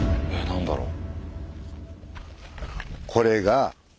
何だろう。